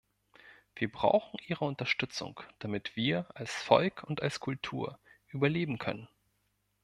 Wir brauchen Ihre Unterstützung, damit wir als Volk und als Kultur überleben können.